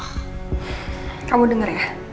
kamu denger ya